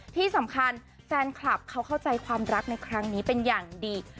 ที่สำคัญแฟนคลับเขาเข้าใจความรักในครั้งนี้เป็นอย่างดี